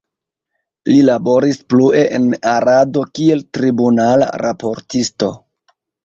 Li laboris plue en Arado kiel tribunala raportisto.